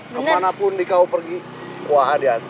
kemana pun dikau pergi kuah adi antar